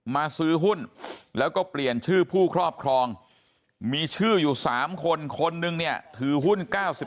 ซื้อหุ้นแล้วก็เปลี่ยนชื่อผู้ครอบครองมีชื่ออยู่๓คนคนนึงเนี่ยถือหุ้น๙๑